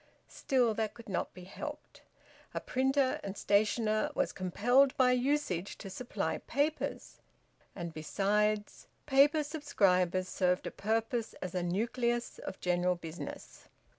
Still, that could not be helped. A printer and stationer was compelled by usage to supply papers; and besides, paper subscribers served a purpose as a nucleus of general business.